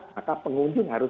maka pengunjung harus